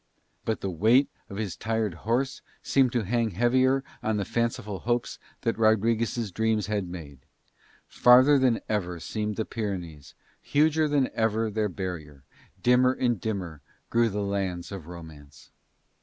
But the weight of his tired horse seemed to hang heavier on the fanciful hopes that Rodriguez' dreams had made. Farther than ever seemed the Pyrenees, huger than ever their barrier, dimmer and dimmer grew the lands of romance.